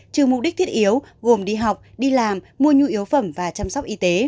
trừ mục đích thiết yếu gồm đi học đi làm mua nhu yếu phẩm và chăm sóc y tế